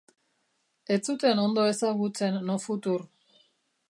Ez zuten ondo ezagutzen Nofutur.